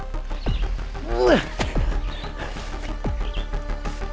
walaupun gue masih pusing ya